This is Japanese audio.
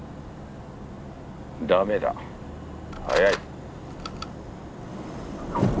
駄目だ早い。